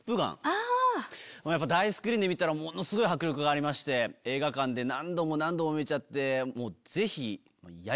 やっぱ大スクリーンで見たらものすごい迫力がありまして映画館で何度も何度も見ちゃって。